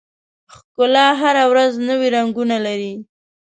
ښکلا هره ورځ نوي رنګونه لري.